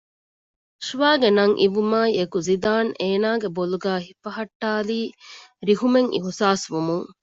ނަޝްވާގެ ނަން އިވުމާއިއެކު ޒިދާން އޭނާގެ ބޮލުގައި ހިފަހައްޓާލީ ރިހުމެއް އިހުސާސްވުމުން